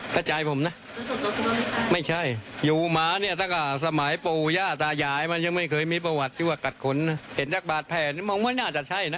กระจายผมน่ะไม่ใช่อยู่หมาเนี่ยตั้งสมัยโปยาตาหยายมันยังไม่เคยมีประวัติที่ว่ากัดคนน่ะเห็นจักรบาดแผ่นมองว่าน่าจะใช่น่ะ